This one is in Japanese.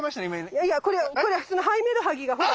いやいやこれはこれはそのハイメドハギがほら。